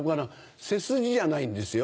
背筋じゃないんですよ。